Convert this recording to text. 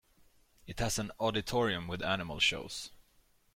It has an auditorium with animal shows.